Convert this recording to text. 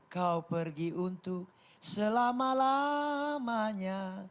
kau pergi untuk selama lamanya